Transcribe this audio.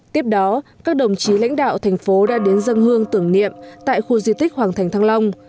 tiếp đó các đồng chí lãnh đạo thành phố đã đến dân hương tưởng niệm tại khu di tích hoàng thành thăng long